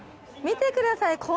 見てください